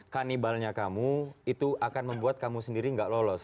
kanibalnya kamu itu akan membuat kamu sendiri gak lolos